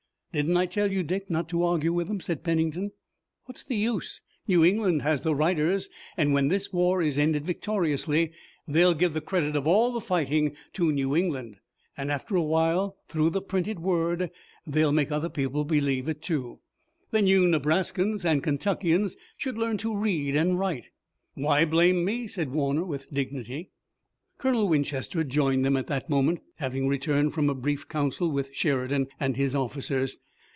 "Didn't I tell you, Dick, not to argue with him?" said Pennington. "What's the use? New England has the writers and when this war is ended victoriously they'll give the credit of all the fighting to New England. And after a while, through the printed word, they'll make other people believe it, too." "Then you Nebraskans and Kentuckians should learn to read and write. Why blame me?" said Warner with dignity. Colonel Winchester joined them at that moment, having returned from a brief council with Sheridan and his officers.